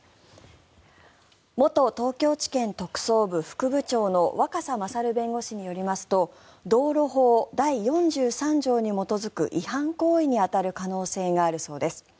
元東京地検特捜部副部長の若狭勝弁護士によりますと道路法第４３条に基づく違反行為に当たる可能性があるそうです。